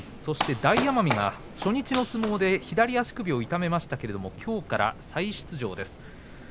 大奄美が初日の相撲で左足首を痛めましたが、きょうから再出場です。